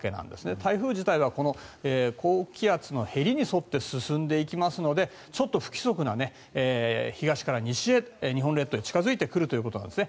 台風自体は高気圧のへりに沿って進んでいきますのでちょっと不規則な、東から西へ日本列島へ近付いてくるんですね。